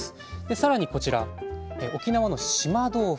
さらにこちら沖縄の島豆腐。